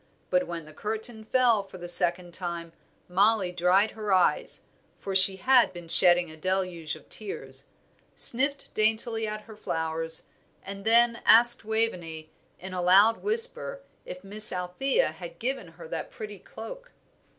But when the curtain fell for the second time Mollie dried her eyes for she had been shedding a deluge of tears sniffed daintily at her flowers, and then asked Waveney, in a loud whisper, if Miss Althea had given her that pretty cloak.